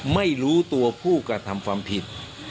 ไม่รู้ตัวผู้กระทำความผิด